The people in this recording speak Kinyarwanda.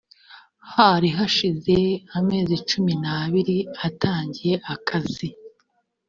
hari hashize amezi cumi n abiri atangiye akazi